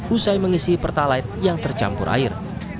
usai mengisi pertalite yang tercampur air